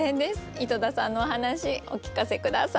井戸田さんのお話お聞かせ下さい。